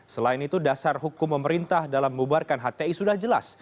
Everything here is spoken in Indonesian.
selain itu dasar hukum pemerintah dalam membubarkan hti sudah jelas